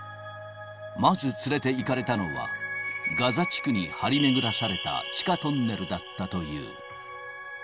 まず連れていかれたのは、ガザ地区に張り巡らされた地下トンネルだったという。